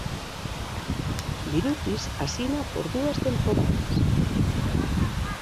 Birutis asina por dúas temporadas.